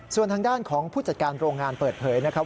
ส่วนทางด้านของผู้จัดการโรงงานเปิดเผยนะครับ